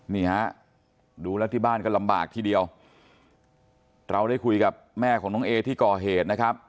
นี่ฮะดูแล้วที่บ้านก็ลำบากทีเดียวเราได้คุยกับแม่ของน้องเอที่ก่อเหตุนะครับ